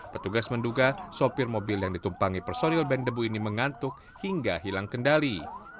petugas menduga sopir mobil yang ditumpangi personil band debu ini mengantuk hingga hilang kendali